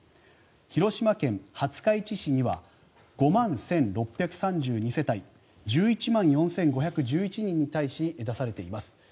広島県廿日市市には５万１６３２世帯１１万４５１１人に対し出されています。